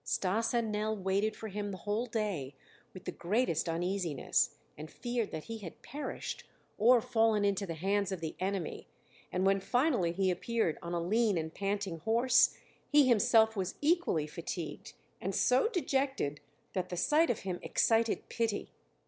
Stas and Nell waited for him the whole day with the greatest uneasiness and feared that he had perished or fallen into the hands of the enemy, and when finally he appeared on a lean and panting horse, he himself was equally fatigued and so dejected that the sight of him excited pity.